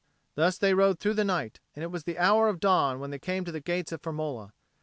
Thus they rode through the night; and it was the hour of dawn when they came to the gates of Firmola.